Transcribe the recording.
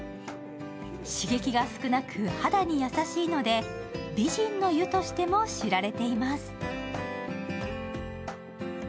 刺激が少なく肌に優しいので美人の湯としても知られています。